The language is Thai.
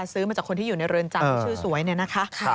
ซื้อมาจากคนที่อยู่ในเรือนจำที่ชื่อสวยเนี่ยนะคะ